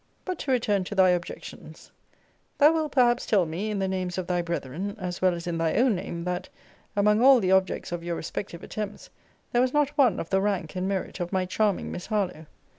But to return to thy objections Thou wilt perhaps tell me, in the names of thy brethren, as well as in thy own name, that, among all the objects of your respective attempts, there was not one of the rank and merit of my charming Miss Harlowe.